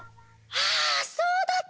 ああそうだった！